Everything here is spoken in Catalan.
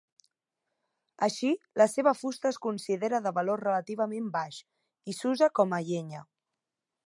Així, la seva fusta es considera de valor relativament baix i s'usa com a llenya.